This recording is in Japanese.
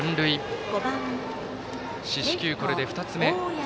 森谷、四死球これで２つ目。